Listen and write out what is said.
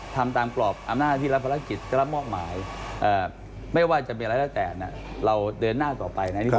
ทำตามกรอบอำนาจที่รับภารกิจได้รับมอบหมายไม่ว่าจะเป็นอะไรแล้วแต่เราเดินหน้าต่อไปนะ